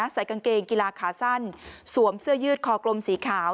ใส่กางเกงกีฬาขาสั้นสวมเสื้อยืดคอกลมสีขาว